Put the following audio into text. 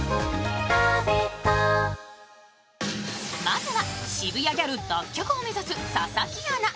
まずは、渋谷ギャル脱却を目指す佐々木アナ。